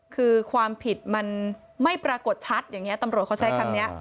คือความผิดมันไม่ปรากฏชัดอย่างนี้ตำรวจเขาใช้คำนี้